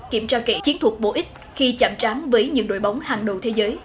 kiểm tra kỹ chiến thuật bổ ích khi chạm trám với những đội bóng hàng đầu thế giới